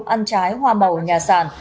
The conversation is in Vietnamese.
ăn trái hoa màu nhà sàn